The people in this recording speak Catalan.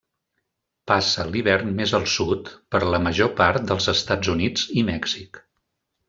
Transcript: Passa l'hivern més al sud, per la major part dels Estats Units i Mèxic.